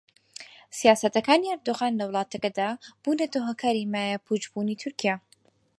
سیاسەتەکانی ئەردۆغان لە وڵاتەکەدا بوونەتە هۆکاری مایەپووچبوونی تورکیا